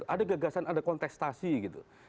ada gagasan ada kontestasi gitu